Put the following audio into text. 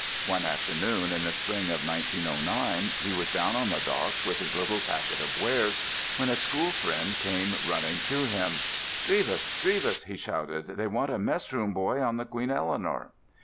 One afternoon in the spring of 1909 he was down on the docks with his little packet of wares, when a school friend came running to him. "Drevis, Drevis!" he shouted, "they want a mess room boy on the Queen Eleanor!"